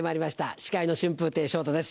司会の春風亭昇太です